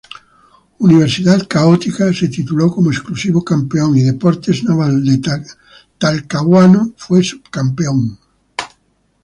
Universidad Católica se tituló como exclusivo campeón y Deportes Naval de Talcahuano fue sub-campeón.